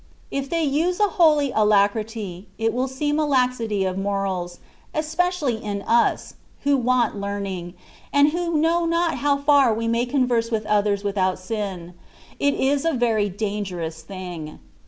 If they use a holy alacrity, it will seem a laxity of morals; especially in %i8, who want learning, and who know not how far we may converse with others without sin, it is a very dangerous thing.